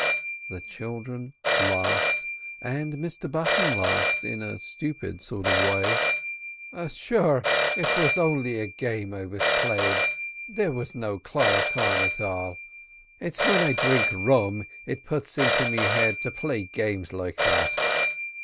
The children laughed, and Mr Button laughed in a stupid sort of way. "Sure, it was only a game I was playin'—there was no Cluricaune at all—it's whin I dhrink rum it puts it into me head to play games like that.